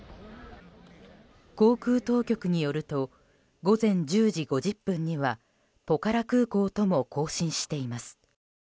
航空当局によると午前１０時５０分にはポカラ空港とも交信しています。